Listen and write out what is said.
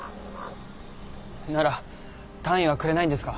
なら単位はくれないんですか？